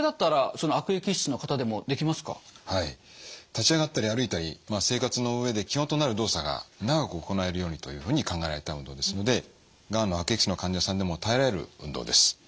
立ち上がったり歩いたり生活の上で基本となる動作が長く行えるようにというふうに考えられた運動ですのでがん悪液質の患者さんでも耐えられる運動です。